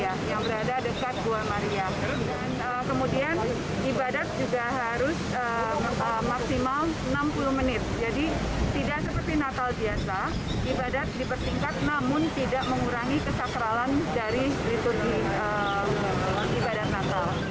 jadi tidak seperti natal biasa ibadat dipertingkat namun tidak mengurangi kesakralan dari liturgi ibadat natal